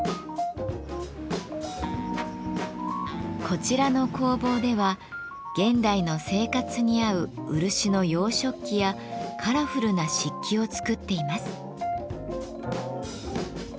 こちらの工房では現代の生活に合う漆の洋食器やカラフルな漆器を作っています。